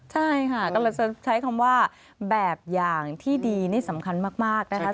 ใช่ค่ะกำลังจะใช้คำว่าแบบอย่างที่ดีนี่สำคัญมากนะคะ